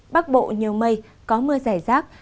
bắc bộ nhiều mây có mưa rải rác